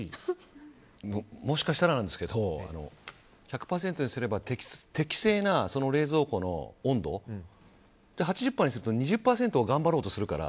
もしかしたら１００％にすれば適正な冷蔵庫の温度８０％にすると２０％は頑張ろうとするから。